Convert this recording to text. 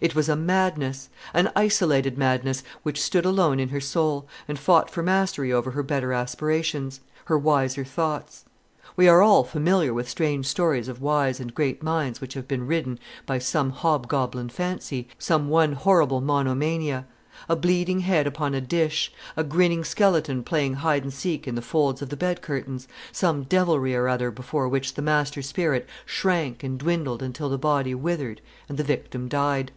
It was a madness, an isolated madness, which stood alone in her soul, and fought for mastery over her better aspirations, her wiser thoughts. We are all familiar with strange stories of wise and great minds which have been ridden by some hobgoblin fancy, some one horrible monomania; a bleeding head upon a dish, a grinning skeleton playing hide and seek in the folds of the bed curtains; some devilry or other before which the master spirit shrank and dwindled until the body withered and the victim died.